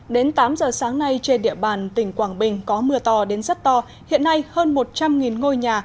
đến tám giờ sáng nay trên địa bàn tỉnh quảng bình có mưa to đến rất to hiện nay hơn một trăm linh ngôi nhà